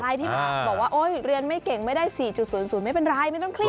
ที่บอกว่าโอ๊ยเรียนไม่เก่งไม่ได้๔๐๐ไม่เป็นไรไม่ต้องเครียด